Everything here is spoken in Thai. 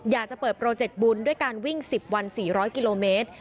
อยากจะเปิดโปรเจกต์บุญด้วยการวิ่ง๑๐วัน๔๐๐กิโลเมตร